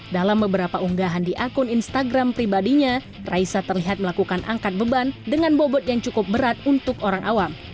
dalam beberapa unggahan di akun instagram pribadinya raisa terlihat melakukan angkat beban dengan bobot yang cukup berat untuk orang awam